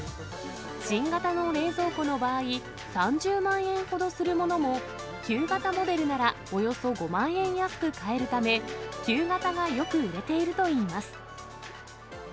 新型の冷蔵庫の場合、３０万円ほどするものも、旧型モデルならおよそ５万円安く買えるため、旧型がよく売れているといいます。